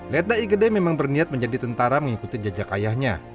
retta igede memang berniat menjadi tentara mengikuti jajak ayahnya